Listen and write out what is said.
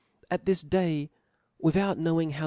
At this day, without knowing ho^ Ch^p.